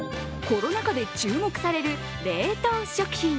コロナ禍で注目される冷凍食品。